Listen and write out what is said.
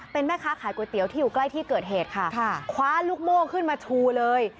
เป็นแม่ค้าขายก๋วยเตี๋ยวที่อยู่ใกล้ที่เกิดเหตุค่ะคว้าลูกโม่ขึ้นมาชูเลย